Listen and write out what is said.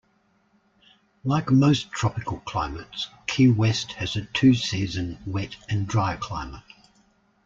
Like most tropical climates, Key West has a two-season wet and dry climate.